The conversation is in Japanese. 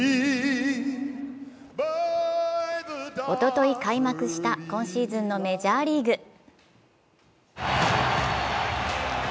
おととい開幕した今シーズンのメジャーリーグ。